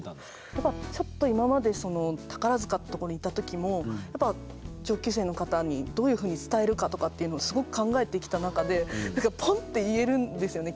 やっぱちょっと今まで宝塚って所にいた時もやっぱ上級生の方にどういうふうに伝えるかとかっていうのをすごく考えてきた中でポンって言えるんですよね